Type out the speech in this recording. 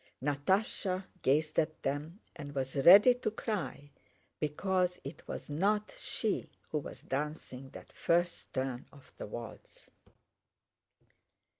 Natásha gazed at them and was ready to cry because it was not she who was dancing that first turn of the waltz.